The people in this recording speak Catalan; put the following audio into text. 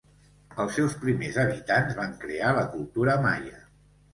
Els seus primers habitants van crear la cultura maia.